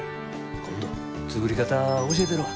今度作り方教えたるわ。